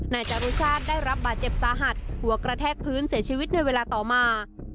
นายจรุชาติได้รับบาดเจ็บสาหัสหัวกระแทกพื้นเสียชีวิตในเวลาต่อมา